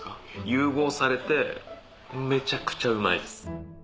融合されてめちゃくちゃうまいです。